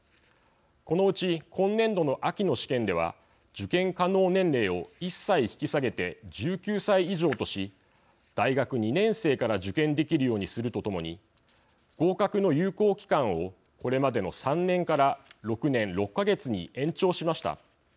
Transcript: このうち、今年度の秋の試験では受験可能年齢を１歳引き下げて１９歳以上とし、大学２年生から受験できるようにするとともに合格の有効期間をこれまでの３年から６年６か月に延長しました。